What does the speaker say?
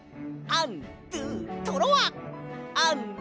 アンドゥトロワ！